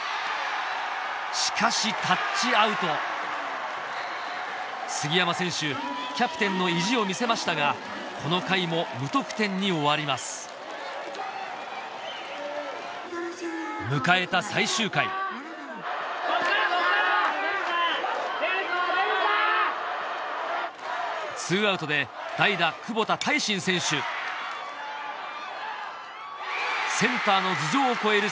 しかしタッチアウト杉山選手キャプテンの意地を見せましたがこの回も無得点に終わります迎えた最終回２アウトで代打・窪田泰伸選手センターの頭上を越える